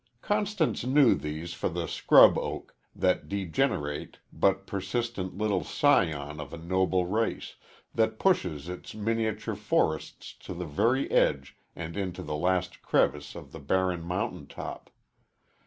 Constance knew these for the scrub oak, that degenerate but persistent little scion of a noble race, that pushes its miniature forests to the very edge and into the last crevice of the barren mountain top.